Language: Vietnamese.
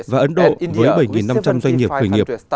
và ấn độ với bảy năm trăm linh doanh nghiệp khởi nghiệp